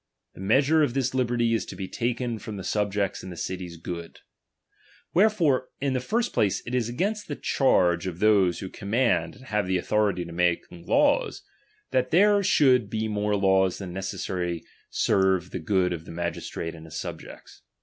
The measure of this liberty is to be taken from the subjects' and the city's good. Wherefore, in the DOMINION. 17 9 first place, it is against the charge of those who chai command and have the authority of making laws, ' that there should be more laws thau necessarily serve for good of the magistrate and his subjects.